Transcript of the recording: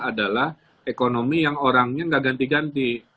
adalah ekonomi yang orangnya nggak ganti ganti